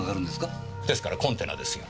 ですからコンテナですよ。